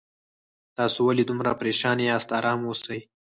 تاسو ولې دومره پریشان یاست آرام اوسئ